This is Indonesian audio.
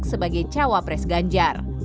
sebagai cawapres ganjar